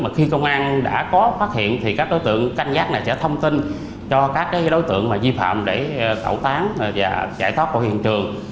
khi công an đã có phát hiện thì các đối tượng canh gác này sẽ thông tin cho các đối tượng di phạm để tẩu tán và giải thoát của hiện trường